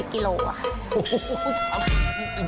๓๐๔๐กิโลกรัม